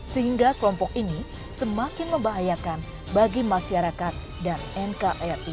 sehingga kelompok ini semakin membahayakan bagi masyarakat dan nkri